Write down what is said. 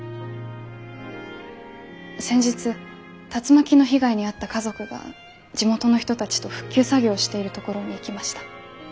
先日竜巻の被害に遭った家族が地元の人たちと復旧作業をしているところに行きました。